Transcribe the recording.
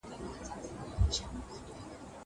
زه هره ورځ کښېناستل کوم!